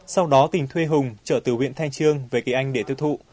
sau đó tình thuê hùng trở từ huyện thanh trương về kỳ anh để tiêu thụ